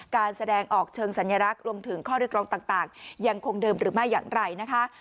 การแสดงออกเชิงสัญลักษณ์รวมถึงข้อเรียกร้องต่างยังคงเดิมหรือไม่อย่างไรนะคะ